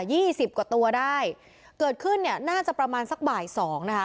สิบกว่าตัวได้เกิดขึ้นเนี่ยน่าจะประมาณสักบ่ายสองนะคะ